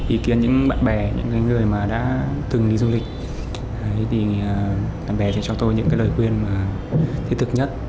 ý kiến những bạn bè những người mà đã từng đi du lịch thì bạn bè sẽ cho tôi những cái lời khuyên thiết thực nhất